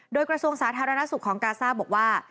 โดยกระทรวงสาธารณสุขของกาซ่าบอกว่า